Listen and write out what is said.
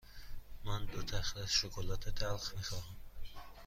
من دو تخته شکلات تلخ می خواهم.